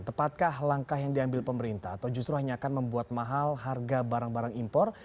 tepatkah langkah yang diambil pemerintah atau justru hanya akan membuat mahal harga barang barang impor